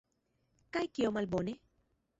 Kaj kio malbone?